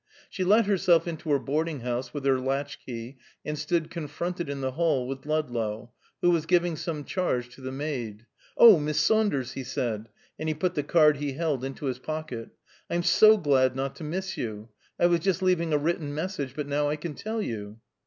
She let herself into her boarding house with her latch key and stood confronted in the hall with Ludlow, who was giving some charge to the maid. "Oh, Miss Saunders," he said, and he put the card he held into his pocket, "I'm so glad not to miss you; I was just leaving a written message, but now I can tell you."